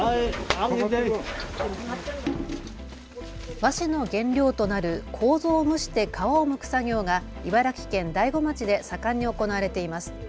和紙の原料となるこうぞを蒸して皮をむく作業が茨城県大子町で盛んに行われています。